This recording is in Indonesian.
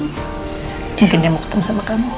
mungkin dia mau ketemu sama kamu